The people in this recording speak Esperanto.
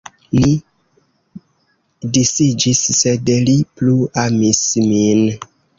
Ni disiĝis, sed li plu amis min.